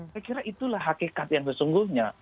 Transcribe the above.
saya kira itulah hakikat yang sesungguhnya